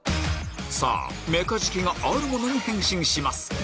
さぁメカジキがあるものに変身します